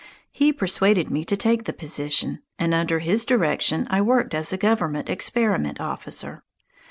He persuaded me to take the position, and under his direction I worked as a government experiment officer.